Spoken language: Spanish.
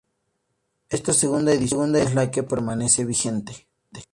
Esta segunda edición es la que permanece vigente.